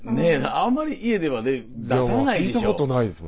あんまり家ではね出さないでしょ。